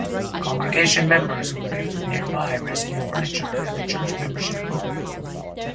Congregation members who lived nearby rescued furniture and the church membership book.